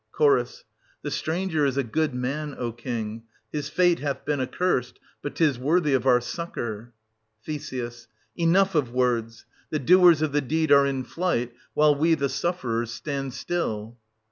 Ch. The stranger is a good man, O king ; his fate hath been accurst ; but 'tis worthy of our succour. Th. Enough of words :— the doers of the deed are in flight, while we, the sufferers, stand still.